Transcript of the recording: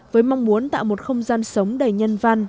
với mong muốn tạo một không gian sống đầy nhân văn